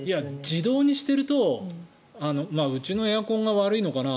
自動にしてるとうちのエアコンが悪いのかな。